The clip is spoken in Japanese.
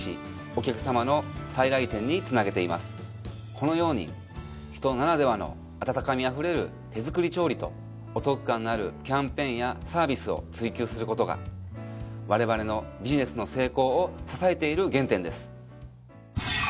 このように人ならではの温かみあふれる手作り調理とお得感のあるキャンペーンやサービスを追求することがわれわれのビジネスの成功を支えている原点です。